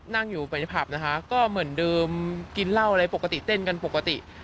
นั่งอยู่ไปในผับนะคะก็เหมือนเดิมกินเหล้าอะไรปกติเต้นกันปกติ